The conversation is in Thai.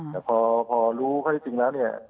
แต่พอรู้ข้อที่จริงแล้วเนี่ย